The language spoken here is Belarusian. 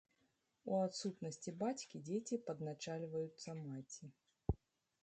У адсутнасці бацькі дзеці падначальваюцца маці.